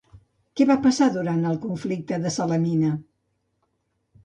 Què va passar durant el conflicte de Salamina?